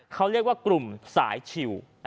เขาเรียกว่ากลุ่มสายชิว